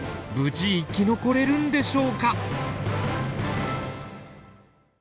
無事生き残れるんでしょうか！？